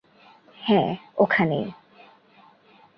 হ্যাঁ, ওখানেই।